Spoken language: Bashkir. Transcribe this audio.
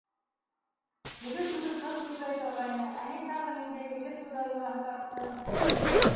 Егет үҙе ҡыҙ күҙләй торғайны, ә һин тағы ниндәй егет күҙләү йолаһы таптың?